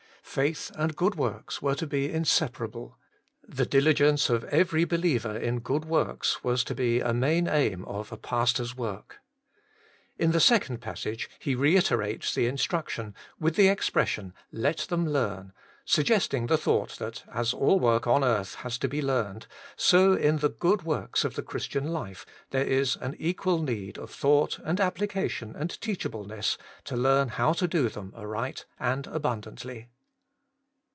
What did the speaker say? Faith and good works were to be inseparable ; the diligence of every believer in good works was to be a main aim of a pastor's work. In the second passage he reiterates the in struction, with the expression, let them learn, suggesting the thought that, as all work on earth has to be learned, so in the good works of the Christian life there is an equal need of thought and application and teachableness, to learn how to do them aright and abundantly.